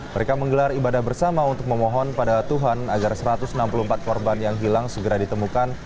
mereka menggelar ibadah bersama untuk memohon pada tuhan agar satu ratus enam puluh empat korban yang hilang segera ditemukan